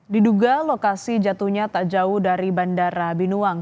diduga lokasi jatuhnya tak jauh dari bandara binuang